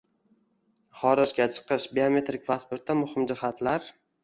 Xorijga chiqish biometrik pasportda muhim jihatlar